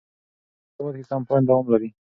په ټول هېواد کې کمپاین دوام لري.